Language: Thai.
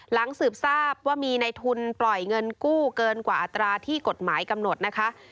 หลังสืบทราบว่ามีในทุนปล่อยเงินกู้เกินกว่าอัตราที่กฎหมายกำหนดนะคะ